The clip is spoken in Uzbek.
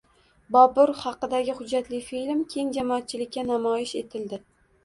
Bobur haqidagi hujjatli film keng jamoatchilikka namoyish etildi